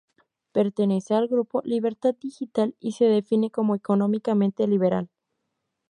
Pertenece al Grupo Libertad Digital y se define como económicamente liberal.